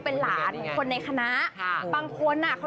เป็นหลานเมืองคนในคณะ